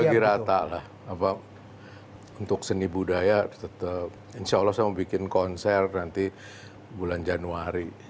lagi rata lah untuk seni budaya tetap insya allah saya mau bikin konser nanti bulan januari